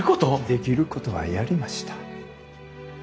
できることはやりました。